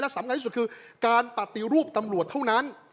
สำคัญที่สุดคือการปฏิรูปตำรวจเท่านั้น